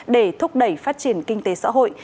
để thúc đẩy phát triển kinh tế xã hội